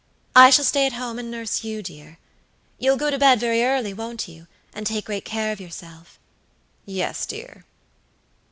I shall stay at home and nurse you, dear. You'll go to bed very early, won't you, and take great care of yourself?" "Yes, dear."